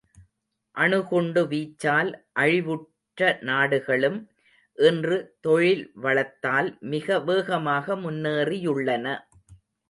அணுகுண்டு வீச்சால் அழிவுற்ற நாடுகளும் இன்று தொழில் வளத்தால் மிக வேகமாக முன்னேறியுள்ளன.